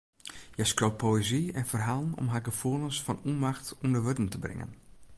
Hja skriuwt poëzy en ferhalen om har gefoelens fan ûnmacht ûnder wurden te bringen.